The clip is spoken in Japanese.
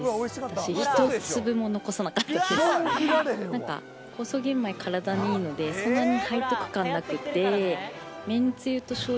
なんか酵素玄米体にいいのでそんなに背徳感なくて。